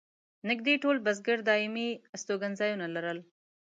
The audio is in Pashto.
نږدې ټول بزګر دایمي استوګن ځایونه لرل.